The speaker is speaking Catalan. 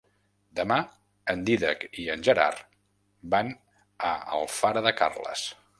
Demà en Dídac i en Gerard van a Alfara de Carles.